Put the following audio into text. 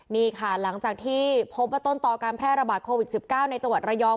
นี่ค่ะหลังจากที่พบว่าต้นต่อการแพร่ระบาดโควิด๑๙ในจังหวัดระยอง